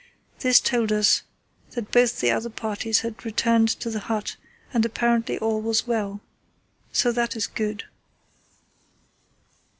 This told us that both the other parties had returned to the Hut and apparently all was well. So that is good.